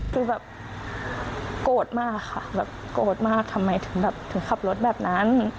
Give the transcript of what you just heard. คือแบบโกรธมากค่ะแบบโกรธมากทำไมถึงแบบถึงขับรถแบบนั้น